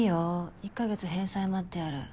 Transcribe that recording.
１か月返済待ってやる。